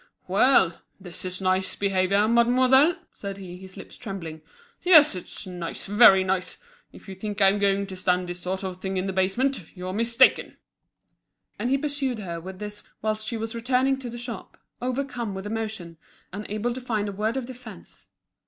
"Well! this is nice behaviour, mademoiselle!" said he, his lips trembling. "Yes, it's nice, very nice! If you think I'm going to stand this sort of thing in the basement, you're mistaken." And he pursued her with this whilst she was returning to the shop, overcome with emotion, unable to find a word of defence.